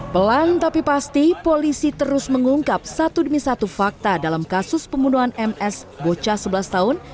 pelan tapi pasti polisi terus mengungkap satu demi satu fakta dalam kasus pembunuhan ms bocah sebelas tahun